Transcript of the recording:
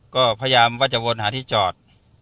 ก็พยายามวัดหาที่จอด